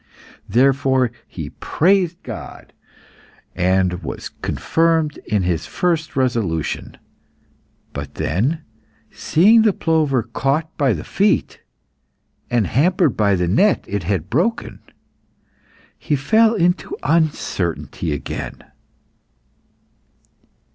Therefore he praised God, and was confirmed in his first resolution. But then seeing the plover caught by the feet, and hampered by the net it had broken, he fell into uncertainty again.